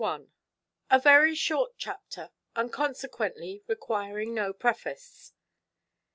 _A very short chapter, and consequently requiring no preface.